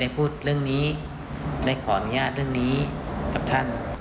พูดเรื่องนี้ได้ขออนุญาตเรื่องนี้กับท่าน